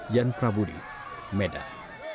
yan prabudi medan